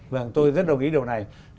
vâng tôi rất đồng ý điều này